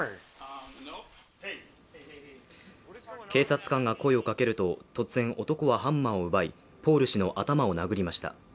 警察官が声をかけると、突然、男はハンマーを奪いポール氏の頭を殴りました。